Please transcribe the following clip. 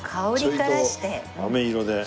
ちょいと飴色で。